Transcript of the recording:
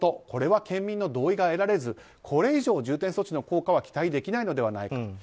これは県民の同意が得られずこれ以上重点措置の効果は期待できないのではないか。